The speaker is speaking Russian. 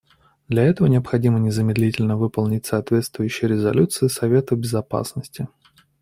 Для этого необходимо незамедлительно выполнить соответствующие резолюции Совета Безопасности.